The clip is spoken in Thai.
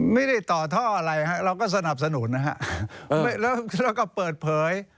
ไม่ได้ต่อท่ออะไรฮะเราก็สนับสนุนนะฮะแล้วเราก็เปิดเผย